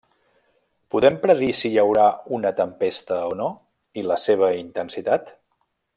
Podem predir si hi haurà una tempesta o no, i la seva intensitat?